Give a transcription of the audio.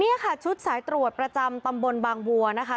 นี่ค่ะชุดสายตรวจประจำตำบลบางวัวนะคะ